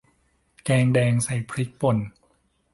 แกงแดงใส่พริกป่น